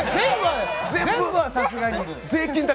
全部はさすがに。